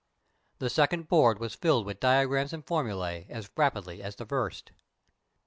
The second board was filled with diagrams and formulæ as rapidly as the first.